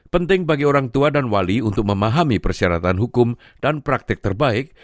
penting bagi orang tua dan wali untuk memahami persyaratan hukum dan praktik terbaik